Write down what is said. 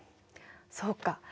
そうか。